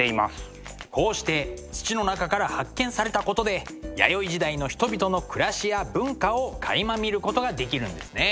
こうして土の中から発見されたことで弥生時代の人々の暮らしや文化をかいま見ることができるんですね。